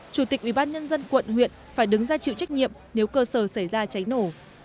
chủ tịch ủy ban nhân dân quận huyện phải đứng ra chịu trách nhiệm nếu cơ sở xảy ra cháy nổ